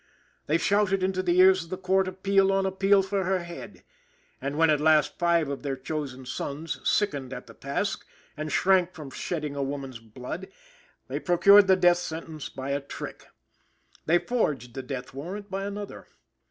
They shouted into the ears of the court appeal on appeal for her head. And, when at last five of their chosen sons sickened at the task, and shrank from shedding a woman's blood, they procured the death sentence by a trick. They forged the death warrant by another.